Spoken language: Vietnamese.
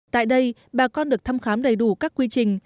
tại đây bà con được thăm khám đầy đủ các quy trình